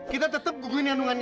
kita tetep gugurin handungan kamu